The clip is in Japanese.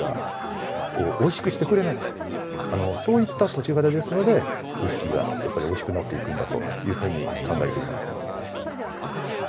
そういった土地柄ですのでウイスキーがやっぱりおいしくなっていくんだというふうに考えています。